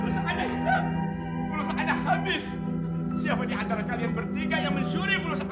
siapa di antara kalian bertiga yang mensyuri pulus anak